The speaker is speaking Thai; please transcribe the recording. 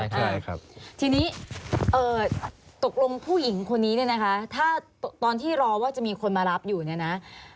ใช่ครับทีนี้ตกลงผู้หญิงคนนี้เนี่ยนะคะถ้าตอนที่รอว่าจะมีคนมารับอยู่เนี่ยนะ